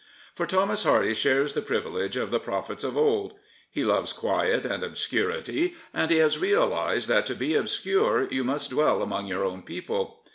For Thomas Hardy shares the privilege of the prophets of old. He loves quiet and obscurity, and he has realised that to be obscure you must dwell among your own people.